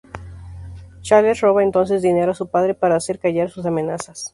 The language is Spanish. Charles roba entonces dinero a su padre para hacer callar sus amenazas.